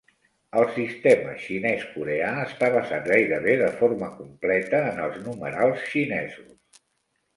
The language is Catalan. El sistema xinès-coreà està basat gairebé de forma completa en els numerals xinesos.